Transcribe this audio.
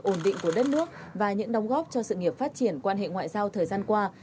ổn định của đất nước và những đóng góp cho sự nghiệp phát triển quan hệ ngoại giao thời gian qua